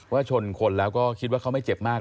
ชนคนแล้วก็คิดว่าเขาไม่เจ็บมาก